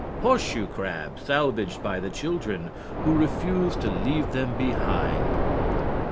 Horse shoe crabs, salvaged by children who refused to leave them behind.